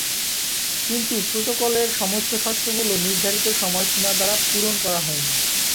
কিন্তু প্রোটোকলের সমস্ত শর্তগুলো নির্ধারিত সময়সীমা দ্বারা পূরণ করা হয়নি।